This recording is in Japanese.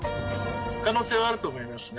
可能性はあると思いますね。